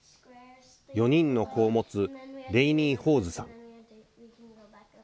４人の子を持つレイニー・ホーズさん。